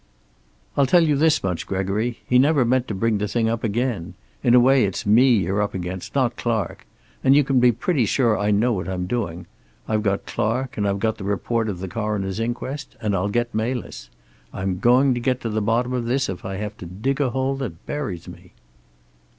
"I'll tell you this much, Gregory. He never meant to bring the thing up again. In a way, it's me you're up against. Not Clark. And you can be pretty sure I know what I'm doing. I've got Clark, and I've got the report of the coroner's inquest, and I'll get Melis. I'm going to get to the bottom of this if I have to dig a hole that buries me."